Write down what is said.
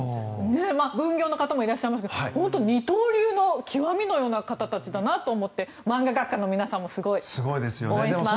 分業の方もいらっしゃいますが本当、二刀流の極みのような方たちだなと思って漫画学科の皆さんもすごい。応援します。